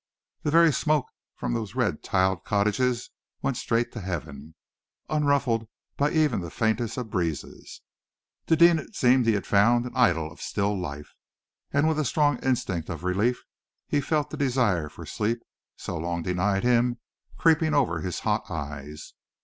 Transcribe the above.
The very smoke from those red tiled cottages went straight to Heaven, unruffled by even the faintest of breezes. To Deane it seemed that he had found an idyll of still life, and with a strong instinct of relief, he felt the desire for sleep, so long denied him, creeping over his hot eyes.